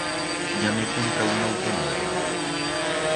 Ya m'he comprau un auto nuevo.